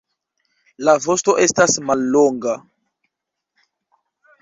La vosto estas mallonga.